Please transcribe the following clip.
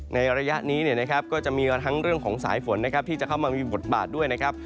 ในระยะนี้ก็จะมีทั้งเรื่องของสายฝนนะครับที่จะเข้ามามีบทบาทด้วยนะครับ